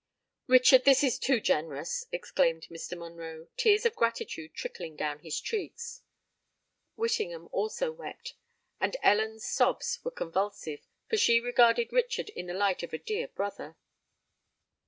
"Richard, this is too generous!" exclaimed Mr. Monroe, tears of gratitude trickling down his cheeks. Whittingham also wept; and Ellen's sobs were convulsive—for she regarded Richard in the light of a dear brother.